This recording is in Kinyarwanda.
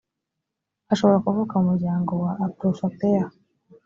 ashobora kuvuka mu muryango wa aprofaper